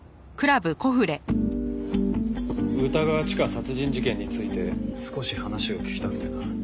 歌川チカ殺人事件について少し話を聞きたくてな。